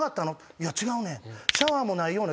「いや違うねん」